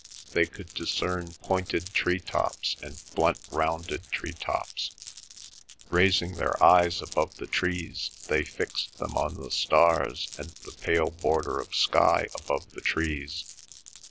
They could discern pointed tree tops and blunt rounded tree tops. Raising their eyes above the trees, they fixed them on the stars and the pale border of sky above the trees.